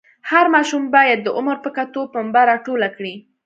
هر ماشوم باید د عمر په کتو پنبه راټوله کړي.